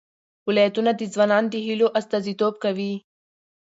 ولایتونه د ځوانانو د هیلو استازیتوب کوي.